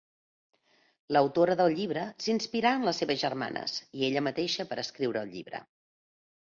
L'autora del llibre, s'inspirà en les seves germanes i ella mateixa per escriure el llibre.